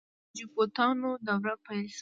د راجپوتانو دوره پیل شوه.